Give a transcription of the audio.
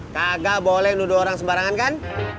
kagak boleh nuduh orang sembarangan kan